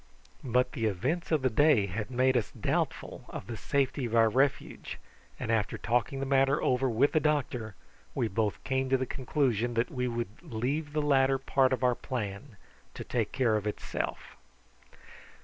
But the events of the day had made us doubtful of the safety of our refuge; and, after talking the matter over with the doctor, we both came to the conclusion that we would leave the latter part of our plan to take care of itself.